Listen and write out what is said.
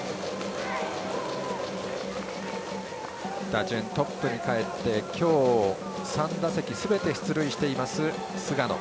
打順トップにかえって今日３打席すべて出塁している菅野。